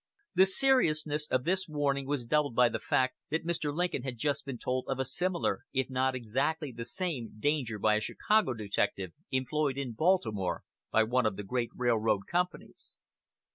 The seriousness of the warning was doubled by the fact that Mr. Lincoln had just been told of a similar, if not exactly the same, danger, by a Chicago detective employed in Baltimore by one of the great railroad companies.